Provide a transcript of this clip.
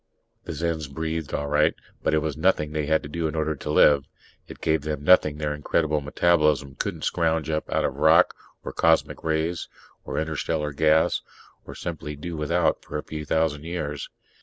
The Zens breathed, all right, but it was nothing they'd had to do in order to live. It gave them nothing their incredible metabolism couldn't scrounge up out of rock or cosmic rays or interstellar gas or simply do without for a few thousand years.